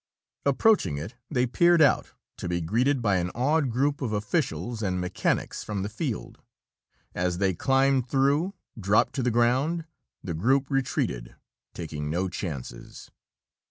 Approaching it, they peered out to be greeted by an awed group of officials and mechanics from the field. As they climbed through, dropped to the ground, the group retreated, taking no chances.